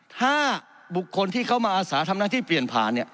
ถ้าบุคคลที่เขามาอาศาทำหน้าที่เปลี่ยนผ่านเนี่ย